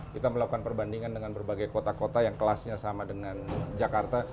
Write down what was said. kita melakukan perbandingan dengan berbagai kota kota yang kelasnya sama dengan jakarta